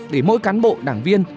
để mỗi cán bộ đảng viên